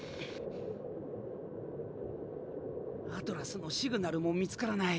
アトラスのシグナルも見つからない。